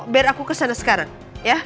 biar aku kesana sekarang ya